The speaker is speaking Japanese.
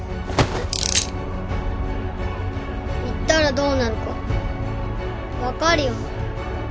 言ったらどうなるか分かるよな？